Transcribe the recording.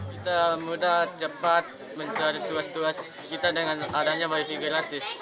kita mudah cepat mencari tuas tuas kita dengan adanya wifi gratis